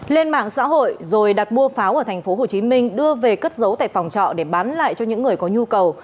lên mạng xã hội rồi đặt mua pháo ở tp hcm đưa về cất giấu tại phòng trọ để bán lại cho những người có nhu cầu